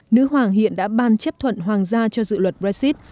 nữ hoàng hiện đã ban chấp thuận hoàng gia cho dự luật brexit